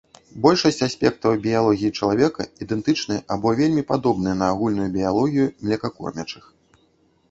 Большасць аспектаў біялогіі чалавека ідэнтычныя альбо вельмі падобныя на агульную біялогію млекакормячых.